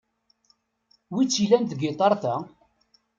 Wi-tt-ilan tgitart-a?